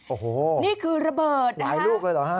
โอ้โหนี่คือระเบิดหลายลูกเลยเหรอฮะ